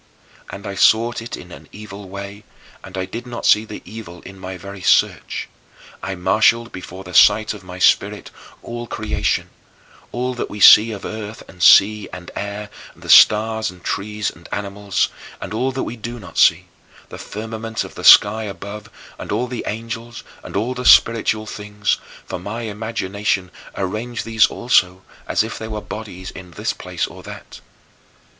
And I sought it in an evil way, and I did not see the evil in my very search. I marshaled before the sight of my spirit all creation: all that we see of earth and sea and air and stars and trees and animals; and all that we do not see, the firmament of the sky above and all the angels and all spiritual things, for my imagination arranged these also, as if they were bodies, in this place or that.